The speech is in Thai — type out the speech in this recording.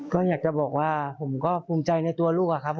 ก็อย่างจะบอกว่าผมก็ภูมิใจในตัวลูก